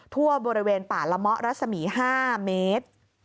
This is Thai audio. ทั่วบริเวณป่าละเมาะรัศมี๕เมตร